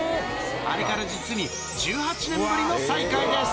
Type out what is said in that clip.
あれから実に１８年ぶりの再会です。